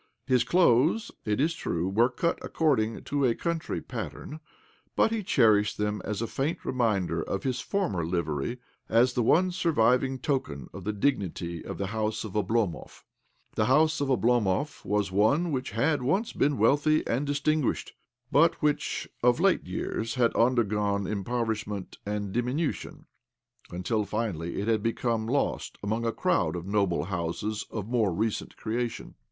His clothes, it is true, were cut according to a Country pattern, but he cherished them as a faint reminder of his former livery, as the one surviving token of the dignity of the house of ОЬІопюѵ. The house of Oblomov was one which had once been wealthy and distingtiished, but which, of late years, had undergone impoverishment and diminution, until finally it had become i6 OBLOMOV lost among a crowd of noble housies of more recent creation.